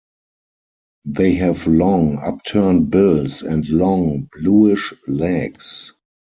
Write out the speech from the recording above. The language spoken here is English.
They have long, upturned bills and long, bluish legs.